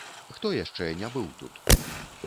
Хто яшчэ не быў тут?